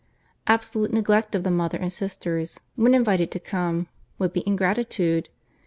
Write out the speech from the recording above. Absolute neglect of the mother and sisters, when invited to come, would be ingratitude.